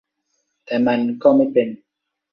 แต่มันก็ไม่เป็น